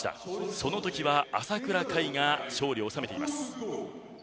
その時は朝倉海が勝利を収めています。